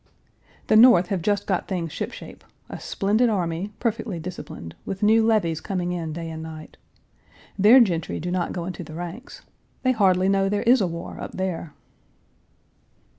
Page 336 The North have just got things ship shape; a splendid army, perfectly disciplined, with new levies coming in day and night. Their gentry do not go into the ranks. They hardly know there is a war up there.